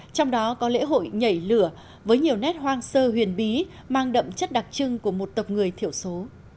trong đó có lễ hội nhảy lửa với nhiều nét hoang sơ huyền bí mang đậm chất đặc trưng của một tộc người thiểu số